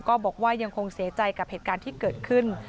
ก็บอกว่ายังคงเสียใจกับเหตุการณ์ที่เกิดขึ้น